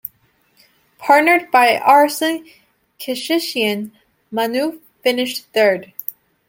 Partnered by Arsen Kishishian, Manou finished third.